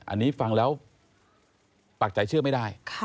อันนี้ฟังแล้วปากใจเชื่อไม่ได้